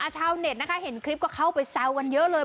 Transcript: ชาวเน็ตนะคะเห็นคลิปก็เข้าไปแซวกันเยอะเลย